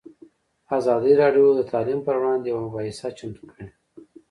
ازادي راډیو د تعلیم پر وړاندې یوه مباحثه چمتو کړې.